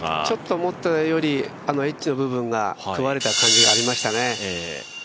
ちょっと、思ったよりエッジの部分が食われた感じがありましたね。